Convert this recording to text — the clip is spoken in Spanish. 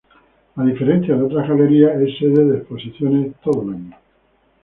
A diferencia de otras galerías, es sede de exposiciones todo el año.